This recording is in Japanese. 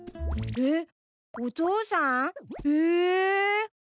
えっ！？